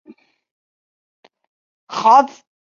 阿马迪纳是巴西巴伊亚州的一个市镇。